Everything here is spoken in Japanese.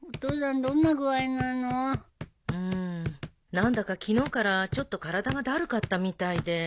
何だか昨日からちょっと体がだるかったみたいで。